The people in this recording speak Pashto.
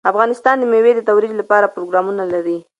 افغانستان د مېوې د ترویج لپاره پروګرامونه لري.